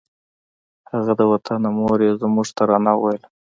هغه د وطنه مور یې زموږ ترانه وویله